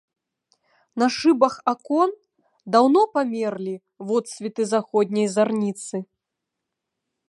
На шыбах акон даўно памерлі водсветы заходняй зарніцы.